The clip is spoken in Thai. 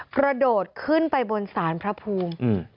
กระโดดขึ้นไปบนศาลพระภูมิ